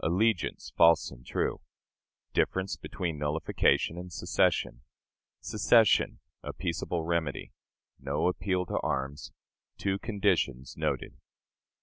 Allegiance, false and true. Difference between Nullification and Secession. Secession a Peaceable Remedy. No Appeal to Arms. Two Conditions noted.